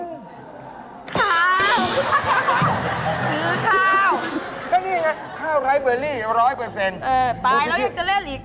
เออตายแล้วยังจะเล่นอีก